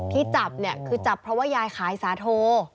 ที่จับเนี่ยคือจับเพราะว่ายายขายสาโท